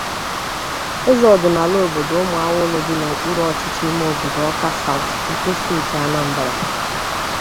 Eze ọdịnala obodo Ụmụawụlụ dị n'okpuru ọchịchị ime obodo 'Awka South' nke steeti Anambra